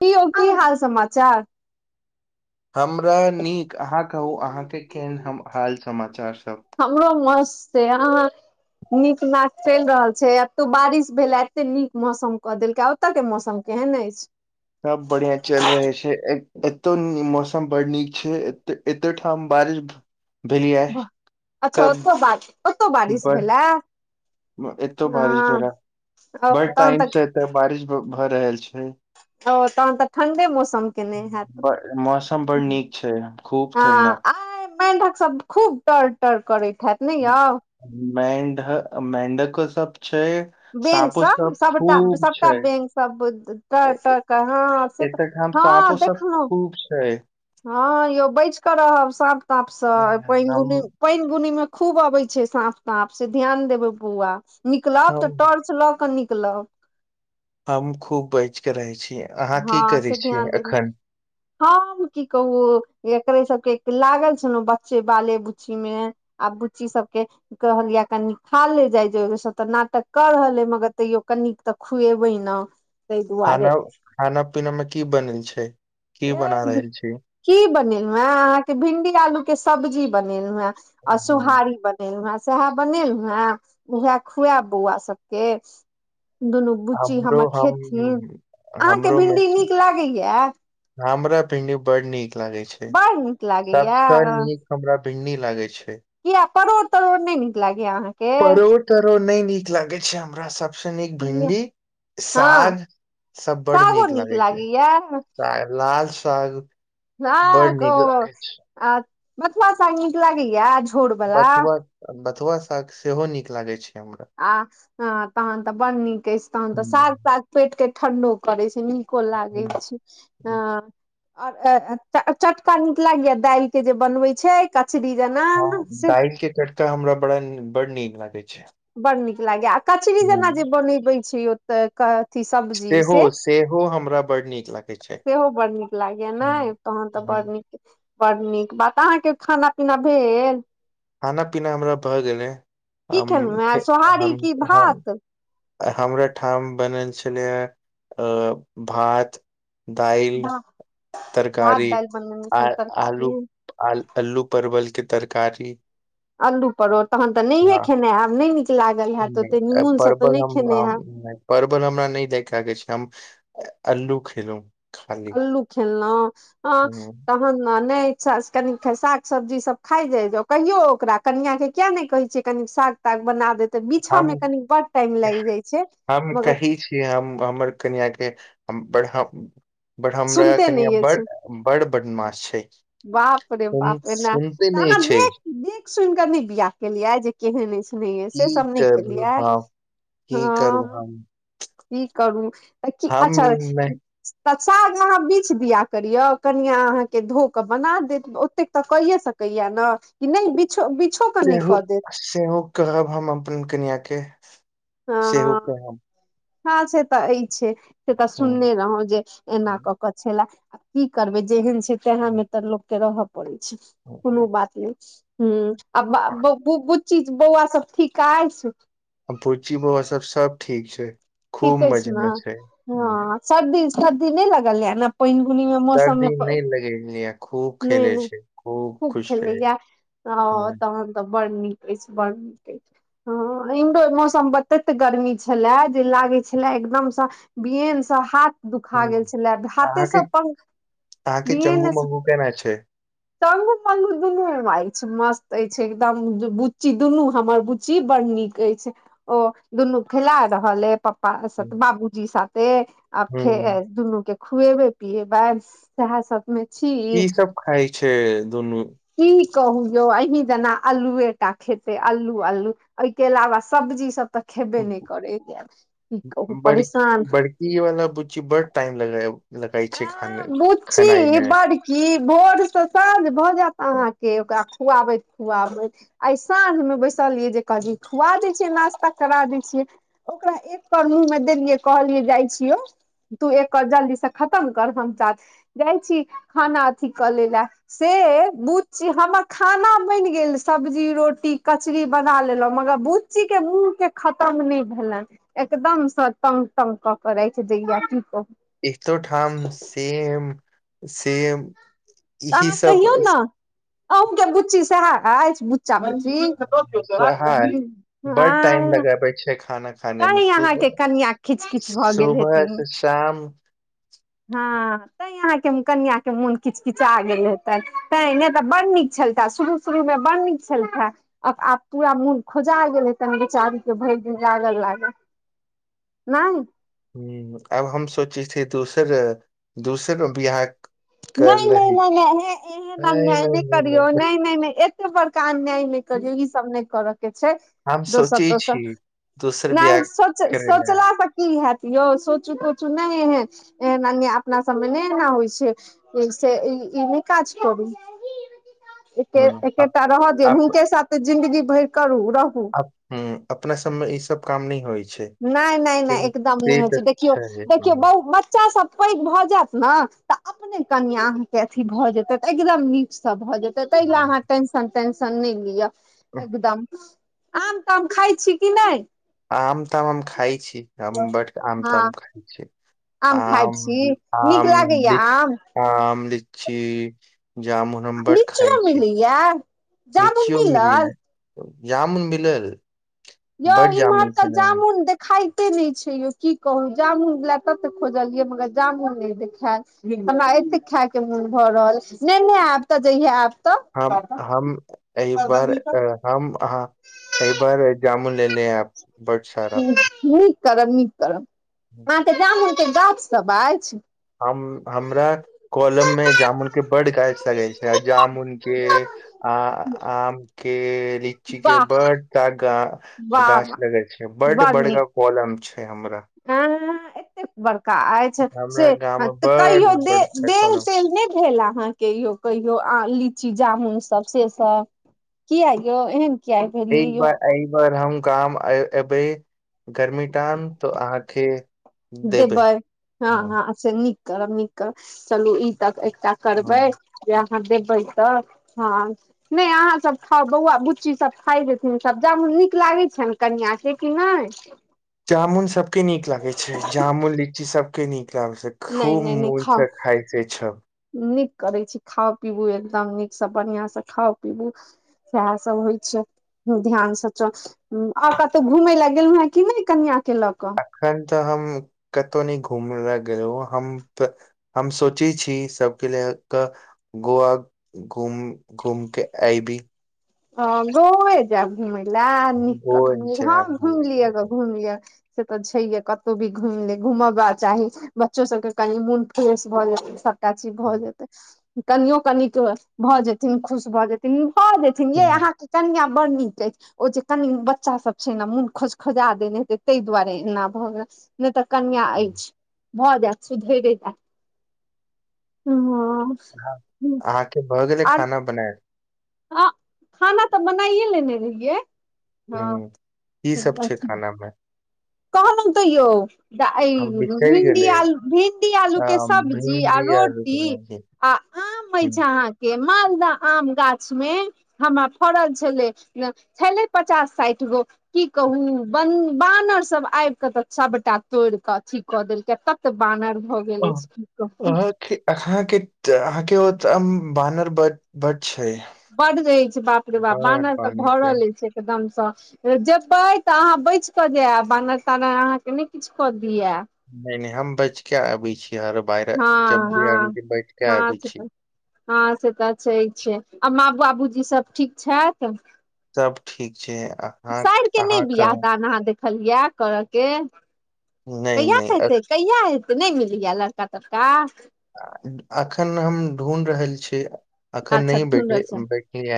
कि यौ की हाल समाचार हमरा नीक अहाँ कहु अहाँके केहन हम हाल समाचार सब हमरो मस्त अय अहाँ नीक नाक चलि रहल छै एतौ बारिश भेले एते नीक मौसम कऽ देलकै ओतऽ के मौसम केहन अछि सब बढ़ियाँ चलि रहै छै एतौ मौसम बड़ नीक छै ए एते ठाम बारिश भेल ये अच्छा कब ओतो बा ओतौ बारिश भेलै एतौ हँ बारिश भेला ओ बड्ड तहन टाइम से एते बारिश भऽ रहल छै ओ तहन तऽ ठण्डे मौसम केने हैत ब- मौसम बड़ नीक छै खूब हँ ठंडा आइ मेंढक सब खूब टर्र टर्र करैत हैत नय यौ मेंढ़ मेंढ़को सब छै बेंग साँपो सब सबटा खूब सबटा छै बेंग सब टर्र टर्र करे हँ से एक तऽ अहिठाम साँपो हँ सब देखलहुँ खूब छै हँ यौ बचि कऽ रहब साँप ताँपसँ अय पइन बुनी हम पइन बुनी मे खूब अबै छै साँप ताँप से ध्यान देबै बौआ निकलब तऽ हम टॉर्च लऽ कऽ निकलब हम खूब बइचके रहै छीयै अहाँ की हँ करै से छीयै ध्यान देबै अखन हम की कहू एकरे सबके लागल छेलौं बच्चे बाले बुच्चीमे आब बुच्ची सबके कहलियै या कनि खा ले जाइ जो इ सब तऽ नाटक कऽ रहल अइ मगर तैयो कनि तऽ खुएबै न आरो खाना पीना मे की बनल छै की बना ए रहल छी की बनेलहु हे अहाँके भिंडी आलू के सब्जी बनेलहु हे आ हुँ, सोहारी बनेलहु हें सएह बनेलहु हें उएहे खुएब बौआ सबके दुनू बुच्ची हमरो हमर हम खेथिन अहाँके हमरो मे भिंडी नीक लागैया हमरा भिंडी बड्ड नीक लागे छै बड़ नीक लागैया सबस नीक हमरा भिंडी लागै छै किया परोड़ तरोड़ नय नीक लागे या अहाँं परोड़ तरोड़ नय नीक लागे छै हमरा सब सबसे नीक भिंडी हँ साग सब बड्ड सागो नीक लागे छै लागैया साग लाल साग बड हँ नीक कह लागे छै बथुआ साग नीक लागैये बथुआ बथुआ साग सेहो नीक लागैत छै हमरा आ तहन तऽ बड्ड नीक अछि तहन तऽ साग साग पेट के ठंडो करे छै नीक को लागै ह छै हँ आओर चटका नीक लागैये दालि के जे बनबे छै कचरी जेना से तऽ हमरा बड़ा नीक बड्ड नीक लागै छै बड़ नीक लागैए आ कचरी जेना हूँ जे बनबै छी ओतय अथी सब्जी सेहो से सेहो हमरा बड़ नीक लागै छै सेहो बड़ नीक लागैया नइ हूँ तहन तऽ बड़ नीक बड़ नीक बात अहाँके खाना पीना भेल खाना पीना हमरा भऽ गेलै की हम खेलहुँ है सोहारी की भात आइ हमरा ओहिठाम बनल छलै या भात दाइल भात तरकारी दालि बनेने आ छलहुँ आलू तरकारी आल्लू परवल के तरकारी अल्लू परोठ तहन तऽ नहिये हँ खेने हयब नहि नीक लागल हयत ओते निीमुन से तऽ परवल नय हम खेना आयब हम- नहि, परवल हमरा नय दै आाग छै हम अल्लू खेलहुं अल्लू खेलना ह हूँ त नहि इच्छा से कनि साग सब्जी सब खा जा कहियो ओकरा कनिया के किया नय कहे छ कनी साग ताग बना देत तऽ बीछऽ हम मे कनी बड्ड टाइम लागि जाइ छै हम मगर कहै छी हम हमर कनिय के बराह बारहम हमरा सुनते कनि नहि ब अछि बड़ बदमाश छै। बाप रे सुन बाप रे ने सुनते तऽ नहि अहाँ छै देख देख सुनिकऽ न बियाह केलियै जे। केहन की से सब नहि करू केलियै हम की करू हँ। हम क करू अच्छा। हम नहि तऽ साग अहाँ बीछि दिया करियौ कनिआ अहाँके धो कऽ बना देत। तेक तऽ कहिे सकैया ने कि नहि बि बिछो के नय सेहो कऽ देत। सेहो कहब हम अपन कनआ के सेहो हँ कहब। हँ से तऽ ई छै से तऽ हूँ सुननेे रहौं जे एना हूँ क। कछा आ की करबे जेहन छै तेहा मे तऽ लोकके रह छै हूँ कोनो बात नहि ह आ। चीज बौआ सब ठीकइ सु। आ बुर्ची बोआ सब सब ठीक छै खूब ठीके मजे छै मे ने हूँ हँ सर्दी सर्दी नय लगल य ने पानिुनी मे मौसम मे सर्दी नहि लगेलियै खूब नहि खेले नहि छै खूब खुश छै खेललै य हँ हूँ तहन तऽ बढ़ नी ब न ह इम्हरो मौसम बते गर्मी छलए जे लागे छले एकदमसँ बियनसँ हाथ दुखा हूँ गेल छलै हाथे अहाँके सब पख अहाँके बिन चंगू मंगू केना छै टंगू म्ंगू दुनू ए मे अछि मस्त अछि एकदम बुच्ची दुनू हमर बुच्ची बड़ नीक छै ओ दुन्नू खेलाड़ रहल ह प्पा सा हुँ, बाबूजी साथे आ खे दुनू के खुएब पिएब सेह सब मे छी ई सब खााय छै दुनू की कहू यौ अही जेना अल्लुए टा खेते अल्लू अल्लू एहिके अलावा सब्जी सब तऽ खेबे नय करै की कहू परेशान इ वाला बुच्ची बड टाइम लग लगई छै ख खेनाई मे क भोर से साँझ भ जायत अहाँ के ओकरा खुआबैत खुआबैत आइ साँझ मे बैसलियै जे कहल खुआ दै छियै नाास्ता करा दैत छियै ओकरा एक कर मुह मे देलियै कहलियै जाइ छियौ तू एक कर जल्दी स खतम कर हम च जाइ छी खाना अथी कऽ ले लए से बुच्ची हमर खाना बैन गेल सब्जी रोटी कचरी बना लेलौ मगर बु बुची के मुँह के खतम नै भेलैं एकदमसँ तंग तंग कऽ के रैख लै य की कहु एकतोठाम सेम सेम त इही अहाँ सब कहियौ ने अँके बुच्ची सेहे अछि बु [unintelligible] सहाय चाची बड टाइम हॅं लगाबै छै खाना खा तै अहाँके कनिआ किच किच भऽ गेल सुबह हेथिन से शाम [inaudible] हँ तैं यहाँके कन्या के मोन किचकिचा गेल हेतै तें नै तऽ बड नीक छेलतै शुरू शुरू में बड़ नीक छलखे आब पूरा मोन खोजा गेल हेतैश बेचारी के भैर दिन लागल लाग नै ह आब हम सोचै छिय दोसर दोसर बिहाक नै नै नै एहन नहि अन्याय नहि नै नहि करियो नै नहि नै नै एते बड़का अन्याय नै करियो ऽ ई सब नै करऽ के छै हम दोस सोचै दोस छी दोसर नै बियाह सोच करै लए सोचला की हेत यौ सोचू तोचू नै एहन अन्याय अपना सबमे नै एना होइ छै ई से घर नै काज करू एके हूँ अप, एकेटा रहऽ दिय अप, हुनके साथ त जिंन्दगी भैर करू रहू हुॅं अपना सब मे ई सब काम नै होइ छै नै नै नै से एकदम नै से होइ तऽ छै देखियौ देखियौ हूँ, बहु म बच्चा सब पैघ भ जेज्एत ने तऽ अपने कनिया अहाँ के अथी भए जेते एकदम नीक से भए जेत तऽ ताहि ले हूँ। अहाँ टेंशन तटेंशन नै लिअ एकदम आम ताम खाइ छी कि नै आम ताम ज्ञम खााय छी हम बड आम त हँ खााय छी खाइ आम छी नीक आम लागैया ली आम आम लीची जामुन हम बड खाइ छी किया लिचीयो मिलै हे जामून मिलल यौ बड इमहर जामुन त खेलहुँ जामून दे खाइते नै छै यौ की कहू जामुन ला तब ते खोजलिये मगर जामुन नहि देखाय हमरा एते खाय के मोन भऽ रहल नेने आयब तऽ जहिये आब हम हम एहि बार हम अहा एहि बार जामुन ले ले एब बड सारा नीक करब नीक करब अहाँके जामुनके गाछ सब अछि हम हमरा कोलम मे जामुन के बड गाछ लगै छै आ जामुनक के आ आमके लीचीे वाह बडटा गा वाह गाछ वाह लगे छै बड बड़का कलम छै हमरा ह एतेक बड़का अछि से हमरा गाम मे तऽ बड़ कहियो दे बड़का देल कॉलम तेल नै भेल अहाँ कहियो कहियो लीची जामुन सब से सब किया यौ एहन किया भेलियै एक यौ बार अहाँ एहि बार हम गाम अबे गर्मी टाम तो अहाँके देबै हँ हँ से नीक करब नीक करब चलू ई तऽ एकटा हँ करबै जे अहाँ देबै तऽ हँ नय अहाँसभ खाउ बौआ बुच्ची सभ खाय जेथिन सब जामुन नीक लागैत छनि कनिआँ के कि नय जामुन सबके नीक लागे छै जामुन लीची सबके नीक लाग छै नहि खूब नहि नहि खाउ मोनसँ खाइ छै सब नीक करै छी खाउ पिबू एकदम नीकसँ बढ़ियाँ सँ खाउ पिबू सएह सब होइ छै ध्यान से चल आओर कतहु घुमय लए गेलहु हेँ कि नय कनियाँ के लऽ कऽ एखन तऽ हम कतहु नय घूम ले गेलहुँ हम त हम सोचै छी सभके लि क गोआ घूम घूमके आइबि ओ गोये जायब घुमय ले नीक घुमि लिय घुमि लिय से तऽ छै ये कतहु भी घुमि ले घुमवा चाही बच्चो सबके कनि मोन फ्रेश भऽ जात गाची भऽ जेतै कनियो कन भऽ जेथिन खुश भऽ जेथिन भऽ जेत यै अहाँके कनियाँ बड़ नीक अछि ओ जे कनि बच्चा सब छै मोन खोज खोजा देने हेतै ताहि दुआरे एना भऽ गेल नय तऽ कनियाँ अछि भऽ जैत सुधेरे जैत ओ अहाँके भऽ गेलै खाना बनाएल हँ खाना तऽ बनाइए लेने रहियै हँ ह की सब छै अथ खाना मे कहलौं तऽ यौ हम ई बिसरि भिंडी गेलै आलू भिंडी आलू आ, के सब्जी आ भिंडी आलू के रोटी सब्जी आ आम हम्म। अछि अहाँके मालदह आम गाछ मे हमरा फड़ल छलै छेलै पचास साठि गो की कहू बानर स सब आब के त सबटा तोड़ के अथी क देलक तत बानर भऽ गेल हँ अछि की कहू आहाँ अहाँ के अहाँ के ओ बानर ब बड्ड छै बड्ड रहै छै बाप रे बाप बड बानर तऽ छै भरल अछि एकदमसँ जेबै तऽ अहाँ बच कऽ जायब बानर तानर अहाँके नय किछु कऽ दिय नय नय हम बैचके आबी छी हर बाहर हँ जब हँ भी आबी छै बैठके हँ आबी से छी तऽ हँ से तऽ छै छै आ माबू बाबूजी सब ठीक छथि सब ठीक छै आ साइर के नय बियाह दान अहाँ देखलियै करऽ के नहि कहिया नहि अ- कहते कहिया हेतै नय मिलैये लड़का तड़का अखन हम ढूँढ़ रहल छी अखन अच्छा नहि बैठ धुनर से बैठलय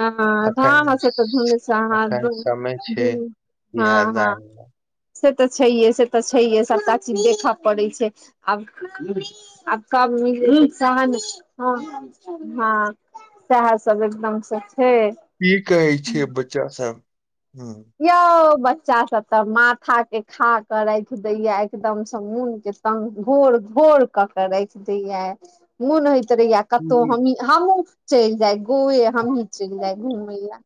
हँ अखन हँ से तऽ धुनर से अहाँ एखन समय छै इहे हँ हँ दुआरे से तऽ छैहे से तऽ छैहे सभटा चीज देखऽ पड़ैत छै आब आब ह हँ सहस सब एकदम स छै ई कहै छै बच्चा सब हँ यौ बच्चा सब तऽ माथा के खाक राखि देया एकदमसँ मोन के त घोर घोर कऽ के राखि दैये मोन होइत रहैया कतहु की हमहीं हमहुँ चलि जाय गोवे हमहीं चलि जाय घूमय ले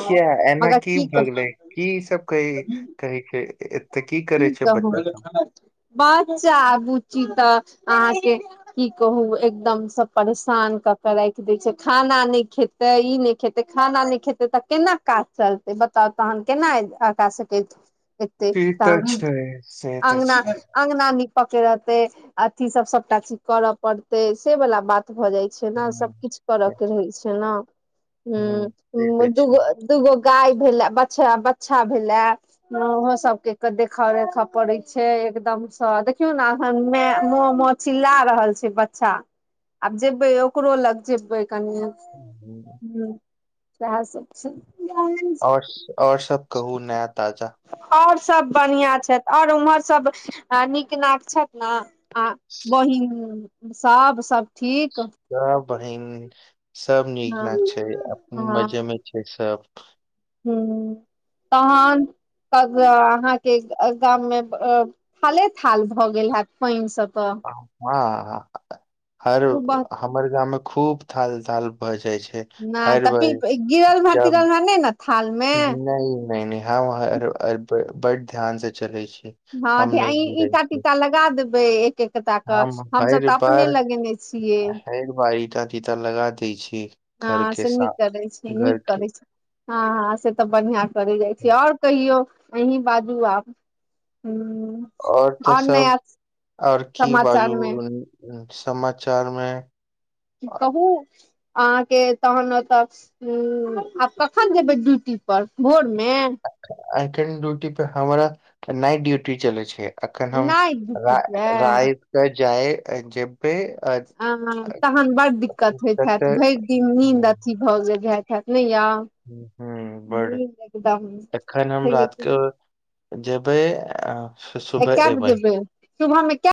किया एना मगर की भऽ कर गेलै की सब कै कहै छै करै की छै कहू बच्चा सब बच्चा बुच्ची तऽ अहाँके की कहू एकदमसँ परेशान कऽ के राखि दै छै खाना नहि खेत तऽ ई नय खेते खाना नहि खेते तऽ केना काज चलतै बताउ तहन केना का सकैत [inaudible] ते तऽ अ छै से त छै अंगगना नीप के रहते अथी सब सबटा चीज करऽ पड़ते से वाला बात भ जाय छै छैना हूँ सबकछु करऽ के रहै छै ने हूँ ठीक ह अछि दगो दूगो गाय भेले बचछा भेलए ओहो सबके के देख रे पड़े छै एकदम से देखियौ ने एखन मे म म चिललाा रहल छै अच्छा आब जेबै ओकरो लग जेबै कनिये हुँ हुँ ह येएह सब छै ओर ओर सब कहु नया ताजा ओर सभ बढ़िआँ छथि ओर उम्हर सभ नीक नाक छथि ने आ बहिन सब सब ठीक सब बहिन सब नीक हँ न छै अपन मजे मे छै सब ह तहन अहाँके गाम मे हाले हाल भऽ गेल हैत पानि सब तऽ हँ हर खूब हमर गाम मे खूब थाल थाल भऽ जाइ छै नहि हर भार तऽ गिरल हे जब तिरल हे नहि ने थाल मे नय नय ह वह बड ध्यान से चले छी हँ हम नहि अँही गिरै ईंटा छी तीटा लगा देबै के कटा क हम हमसभ तऽ अपने लगेने छियै देख भाई तीता तीता लगा दैय छै हँ से नीक करै छै नीक करै छै हँ हँ से तऽ बढ़िया करे जाइ छै ओर कहियौ अँही बाजू आब हु ओर तऽ सब ओर की समाचार मे बाजू समाचार मे कहु अहाँ के तहन ओतऽ ह आब कखन जेबै ड्यूटी पर भोर मे एखन ड्यूटी पे हमारा नाइट ड्यूटी चलै छै अखन हम नाइट रा ड्यूटी छै राइत के जाइ जेबै अ अ ह तहन बड्ड दिक्कत होइत तत हेत भरि दिन ह नीन्द अथी भज भत ने यात हुँ बड दम एखन हम रात के जेबै ऐ सुबह बजे एबै जेबै सुबह मे के